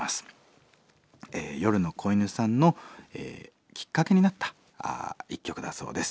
夜の子犬さんのきっかけになった１曲だそうです。